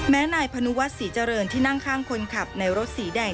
นายพนุวัฒนศรีเจริญที่นั่งข้างคนขับในรถสีแดง